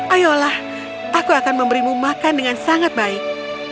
ayolah aku akan memberimu makan dengan sangat baik